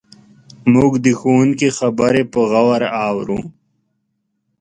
موږ د ښوونکي خبرې په غور اورو.